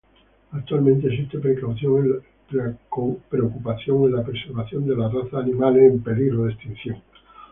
Actualmente existe preocupación en la preservación de las razas animales en peligro de extinción.